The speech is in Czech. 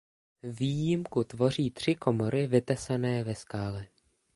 Výjimku tvoří tři komory vytesané ve skále.